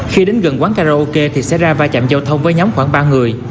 khi đến gần quán karaoke thì xe ra vai chạm giao thông với nhóm khoảng ba người